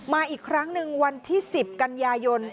มาอีกครั้งหนึ่งวันที่๑๐กันยายน